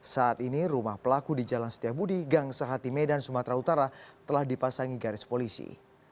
saat ini rumah pelaku di jalan setiabudi gang sahati medan sumatera utara telah dipasangi garis polisi